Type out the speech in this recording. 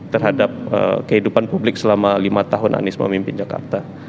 terhadap kehidupan publik selama lima tahun anies memimpin jakarta